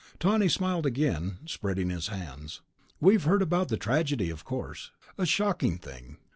Tawney smiled again, spreading his hands. "We've heard about the tragedy, of course. A shocking thing